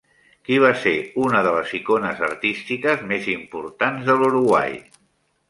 Qui va ser una de les icones artístiques més importants de l'Uruguai?